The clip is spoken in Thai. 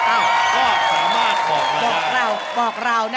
อ้าวก็สามารถบอกแล้วนะ